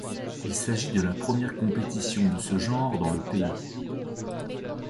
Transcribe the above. Il s'agit de la première compétition de ce genre dans le pays.